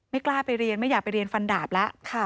กล้าไปเรียนไม่อยากไปเรียนฟันดาบแล้ว